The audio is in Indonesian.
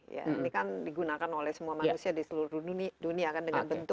ini kan digunakan oleh semua manusia di seluruh dunia kan dengan bentuk